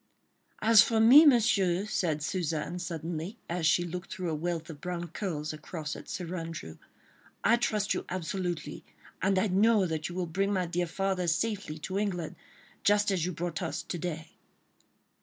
"As for me, Monsieur," said Suzanne, suddenly, as she looked through a wealth of brown curls across at Sir Andrew, "I trust you absolutely, and I know that you will bring my dear father safely to England, just as you brought us to day."